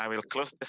berakhir sesi ini